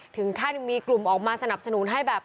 ถึงขั้นมีกลุ่มออกมาสนับสนุนให้แบบ